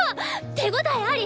手応えあり！？